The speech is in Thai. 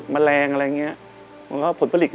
แมลงอะไรอย่างเงี้ยมันก็ผลผลิต